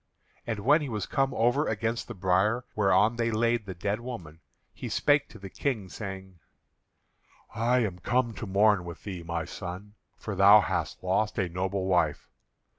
And when he was come over against the bier whereon they laid the dead woman, he spake to the King, saying: "I am come to mourn with thee, my son, for thou hast lost a noble wife.